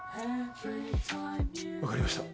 分かりました。